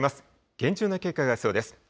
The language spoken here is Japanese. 厳重な警戒が必要です。